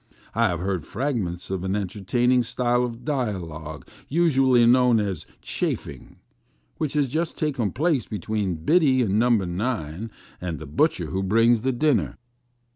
I have heard frag ments of an entertaining style of dialogue usually known as " chaffing," which has just taken place between Biddy in No. 9 and the butcher who brings the dinner.